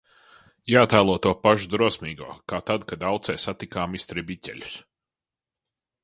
"Jātēlo to pašu drosmīgo, kā tad, kad Aucē satikām "izstrebiķeļus"."